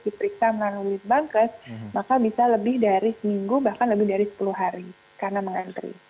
jadi kalau kita bisa mengalami proses yang lebih periksa melalui bankres maka bisa lebih dari seminggu bahkan lebih dari sepuluh hari karena mengantri